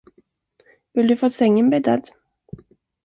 Vill du få sängen bäddad?